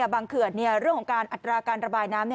เขื่อนเรื่องของการอัตราการระบายน้ำ